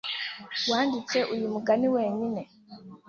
Wanditse uyu mugani wenyine?